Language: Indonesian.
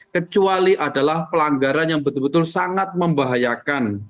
kecuali adalah pelanggaran yang betul betul sangat membahayakan